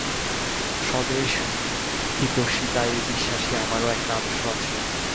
স্বদেশহিতৈষিতায় বিশ্বাসী আমারও একটা আদর্শ আছে।